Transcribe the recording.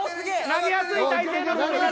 投げやすい体勢で。